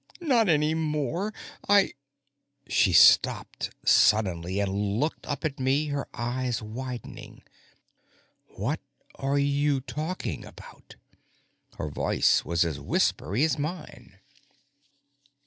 "Not any more. I " She stopped suddenly and looked up at me, her eyes widening. "What are you talking about?" Her voice was as whispery as mine.